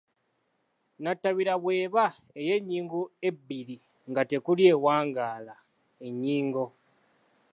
nnatabira bw’eba ey’ennyingo ebbiri nga tekuli ewangaala ennyingo